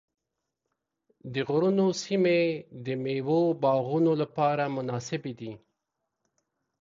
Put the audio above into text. د غرونو سیمې د مېوو باغونو لپاره مناسبې دي.